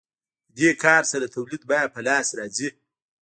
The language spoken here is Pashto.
په دې کار سره د تولید بیه په لاس راځي